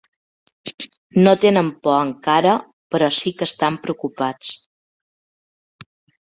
No tenen por, encara, però sí que estan preocupats.